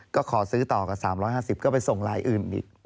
ก็ขอซื้อต่อกับ๓๕๐ก็ไปส่งรายอื่นอีก